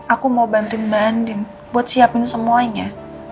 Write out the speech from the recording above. aku mau bantuin mbak andin buat siapin semuanya